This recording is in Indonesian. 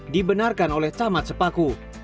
dibenarkan oleh camat sepaku